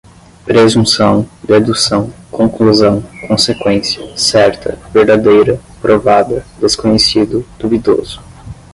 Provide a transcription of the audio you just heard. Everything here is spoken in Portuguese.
presunção, dedução, conclusão, consequência, certa, verdadeira, provada, desconhecido, duvidoso